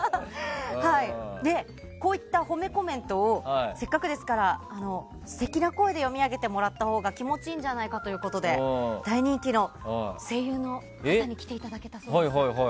こういった褒めコメントをせっかくですから素敵な声で読み上げてもらったほうが気持ちいいんじゃないかということで大人気の声優の方に来ていただけたそうです。